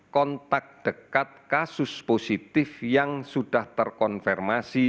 kontak dekat kasus positif yang sudah terkonfirmasi